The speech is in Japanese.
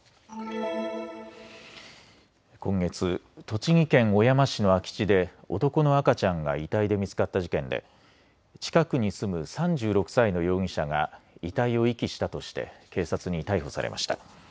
今月、栃木県小山市の空き地で男の赤ちゃんが遺体で見つかった事件で近くに住む３６歳の容疑者が遺体を遺棄したとして警察に逮捕されました。